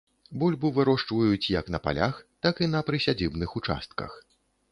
Бульбу вырошчваюць як на палях, так і на прысядзібных участках.